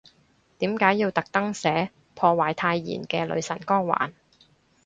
點解要特登寫，破壞太妍嘅女神光環